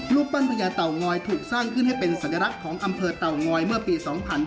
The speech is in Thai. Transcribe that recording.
ปั้นพญาเต่างอยถูกสร้างขึ้นให้เป็นสัญลักษณ์ของอำเภอเต่างอยเมื่อปี๒๕๕๙